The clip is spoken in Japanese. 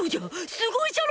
すごいじゃろ！